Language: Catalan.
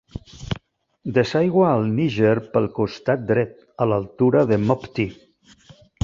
Desaigua al Níger pel costat dret, a l'altura de Mopti.